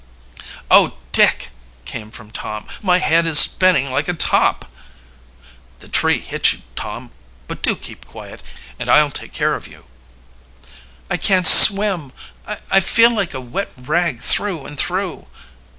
"Oh, Dick!" came from Tom. "My head is spinning like a top!" "The tree hit you, Tom. But do keep quiet, and I'll take care of you." "I can't swim I feel like a wet rag through and through."